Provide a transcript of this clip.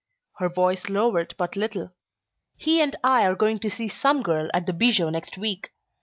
Her voice lowered but little. "He and I are going to see 'Some Girl' at the Bijou next week.